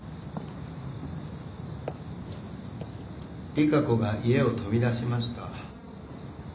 ・利佳子が家を飛び出しました。